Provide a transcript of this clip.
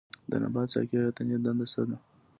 د نبات ساقې یا تنې دنده څه ده